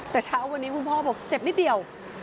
แต่เช้าวันนี้คุณพ่อบอกเจ็บนิดเดียว